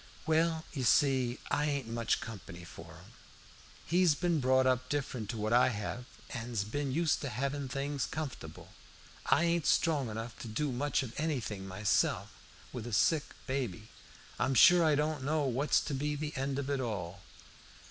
"Well, you see, I ain't much company for him. He's ben brought up different to what I hev, an's ben used to hevin' things comfortable. I ain't strong enough to do much of anything myself, with a sick baby. I'm sure I don't know what's to be the end of it all.